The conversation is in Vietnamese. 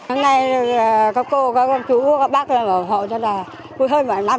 hôm nay có cô có con chú có bác họ rất là vui hơi mọi năm rồi